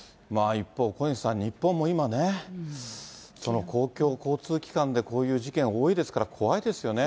一方、小西さん、日本も今ね、公共交通機関でこういう事件多いですから、怖いですよね。